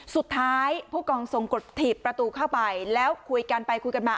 ผู้กองทรงกดถีบประตูเข้าไปแล้วคุยกันไปคุยกันมา